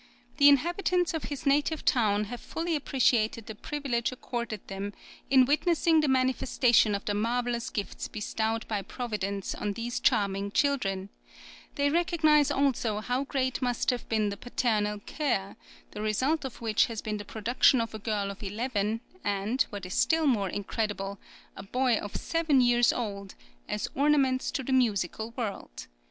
The inhabitants of his native town have fully appreciated the privilege accorded them in witnessing the manifestation of the marvellous gifts bestowed by Providence on these charming children; they recognise also how great must have been the paternal care, the result of which has been the production of a girl of eleven and, what is still more incredible, a boy of seven years old as ornaments to the musical world.